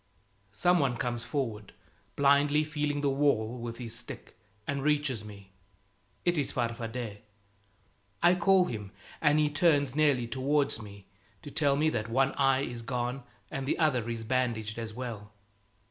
Some one comes forward, blindly feeling the wall with his stick, and reaches me. It is Farfadet! I call him, and he turns nearly towards me to tell me that one eye is gone, and the other is bandaged as well.